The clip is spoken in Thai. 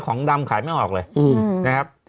ของดำขายไม่ออกเลยนะครับ